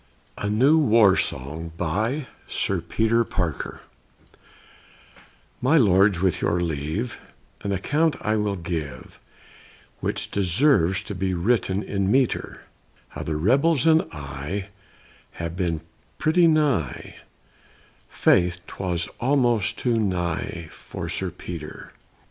A NEW WAR SONG BY SIR PETER PARKER My lords, with your leave, An account I will give, Which deserves to be written in metre; How the rebels and I Have been pretty nigh, Faith, 'twas almost too nigh for Sir Peter!